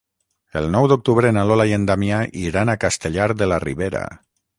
El nou d'octubre na Lola i en Damià iran a Castellar de la Ribera.